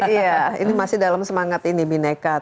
iya ini masih dalam semangat ini bineka